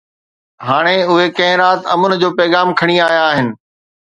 هاڻي اهي ڪنهن رات امن جو پيغام کڻي آيا آهن.